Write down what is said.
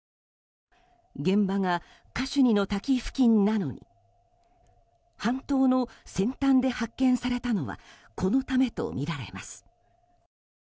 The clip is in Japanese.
現場はカシュニの滝付近なのに半島の先端で発見されたのはこのためとみられます。